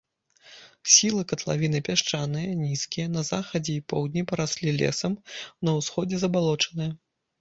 Схілы катлавіны пясчаныя, нізкія, на захадзе і поўдні параслі лесам, на ўсходзе забалочаныя.